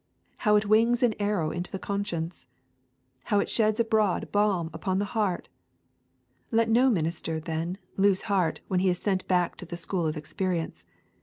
How it wings an arrow to the conscience! How it sheds abroad balm upon the heart! Let no minister, then, lose heart when he is sent back to the school of experience.